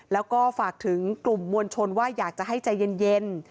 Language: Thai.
แล้วก็ฝากถึงกลุ่มมวลชนว่าอยากจะให้ใจเย็น